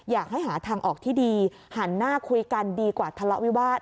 อยากให้หาทางออกที่ดีหันหน้าคุยกันดีกว่าทะเลาะวิวาส